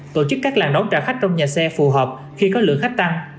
tổ chức các làng đón trả khách trong nhà xe phù hợp khi có lượng khách tăng